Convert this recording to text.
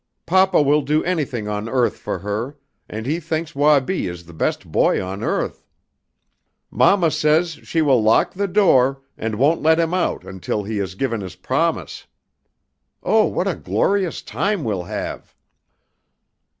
"Papa will do anything on earth for her, and he thinks Wabi is the best boy on earth. Mamma says she will lock the door and won't let him out until he has given his promise. Oh, what a glorious time we'll have!"